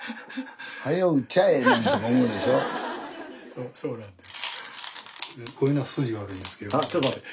そうそうなんです。